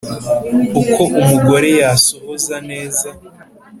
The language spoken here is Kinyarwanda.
Uko umugore yasohoza neza